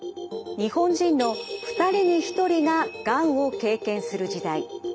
日本人の２人に１人ががんを経験する時代。